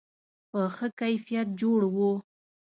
په ښه کیفیت جوړ و.